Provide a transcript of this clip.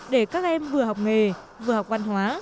để các em vừa học nghề vừa học văn hóa